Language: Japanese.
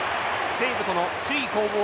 西武との首位攻防